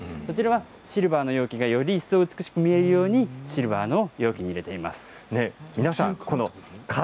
はシルバーがより一層美しく見えるようにシルバーの容器に入れています。